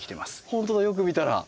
本当だよく見たら。